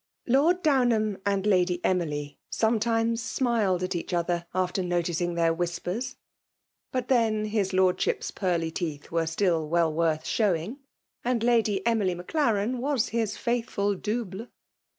Lord Downham and Lady Emily sometimes smiled at each other after noticing their whispers; but then hii^ Lordship's pearly teeth were still well \voTth showing, and Lady Emily Maclaren was hie^ faithful double.